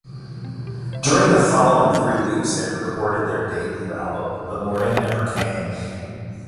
During the following three weeks they recorded their debut album, "The Morning Never Came".